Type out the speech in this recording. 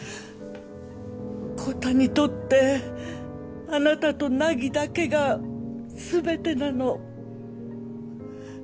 昂太にとってあなたと凪だけが全てなの。